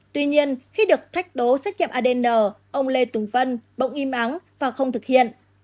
tuy nhiên khi được thách đố xét nghiệm adn ông lê tùng vân bỗng im ắng và không thực hiện